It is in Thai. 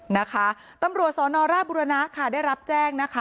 นะคะตำรับบุรณาค่ะได้รับแจ้งนะคะ